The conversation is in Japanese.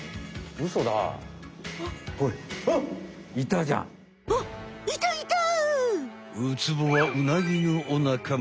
ウツボはウナギのお仲間。